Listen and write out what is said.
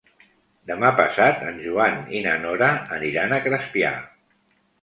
Demà passat en Joan i na Nora aniran a Crespià.